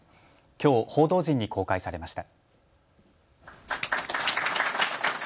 きょう報道陣に公開されました。